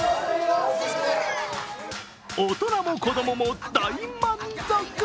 大人も子供も大満足。